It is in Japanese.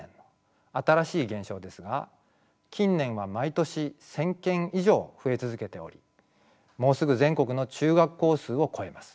新しい現象ですが近年は毎年１，０００件以上増え続けておりもうすぐ全国の中学校数を超えます。